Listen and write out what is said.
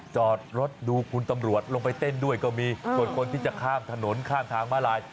จอดรถดูคุณตำรวจลงไปเต้นด้วยก็มีส่วนคนที่จะข้ามถนนข้ามทางมาลาย